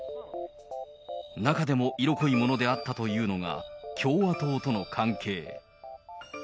中でも色濃いものであったというのが、共和党との関係。